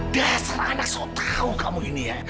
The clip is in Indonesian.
dasar anak so tau kamu ini ya